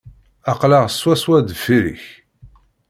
Aql-aɣ swaswa deffir-k.